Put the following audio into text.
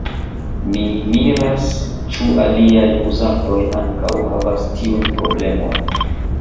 Mi miras, ĉu aliaj Uzantoj ankaŭ havas tiun Problemon.